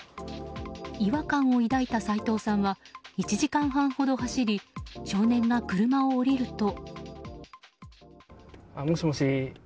違和感を抱いた斎藤さんは１時間半ほど走り少年が車を降りると。